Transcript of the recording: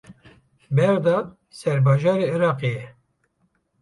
Bexda serbajarê Iraqê ye.